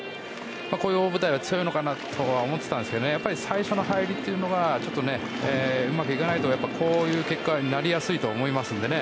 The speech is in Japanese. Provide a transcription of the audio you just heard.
こういう大舞台は強いのかなと思っていたんですが最初の入りというのがちょっとうまくいかないとこういう結果になりやすいと思いますので。